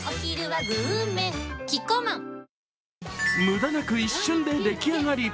無駄なく一瞬で出来上がり。